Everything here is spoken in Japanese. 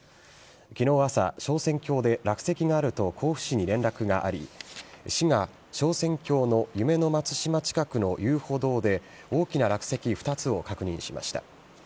きのう朝、昇仙峡で落石があると甲府市に連絡があり、市が昇仙峡の夢の松島近くの遊歩道で、大きな落石２つを確認しました。